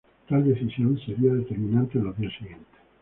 Tal decisión sería determinante en los días siguientes.